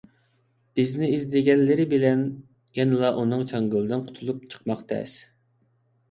بىزنى ئىزدىگەنلىرى بىلەن يەنىلا ئۇنىڭ چاڭگىلىدىن قۇتۇلۇپ چىقماق تەس.